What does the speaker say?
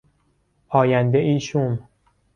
آیندهای شوم